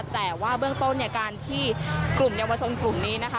แต่ว่าเบื้องต้นเนี่ยการที่กลุ่มเยาวชนกลุ่มนี้นะคะ